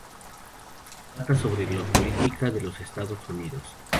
Trata sobre la política de los Estados Unidos.